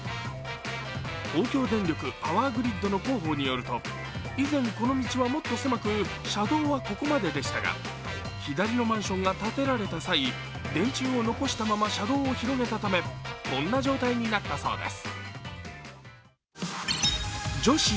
東京電力パワーグリッドの広報によると以前、この道はもっと狭く、車道はここまででしたが、左のマンションが建てられた際、電柱を残したまま車道を広げたためこんな状態になったそうです。